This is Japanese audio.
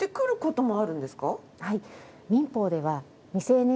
はい。